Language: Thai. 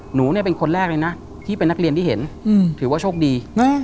หนูเนี่ยเป็นคนแรกเลยนะที่เป็นนักเรียนที่เห็นถือว่าโชคดี